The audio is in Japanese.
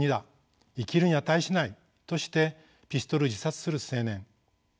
生きるに値しない」としてピストル自殺する青年。